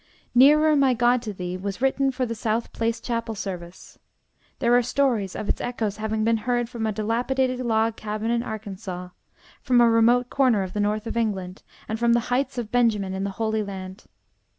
'Nearer, my God, to Thee,' was written for the South Place Chapel service. There are stories of its echoes having been heard from a dilapidated log cabin in Arkansas, from a remote corner of the north of England, and from the Heights of Benjamin in the Holy Land.